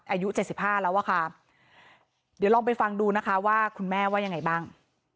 อายุ๗๕แล้วอะค่ะเดี๋ยวลองไปฟังดูนะคะว่าคุณแม่ว่ายังไงบ้าง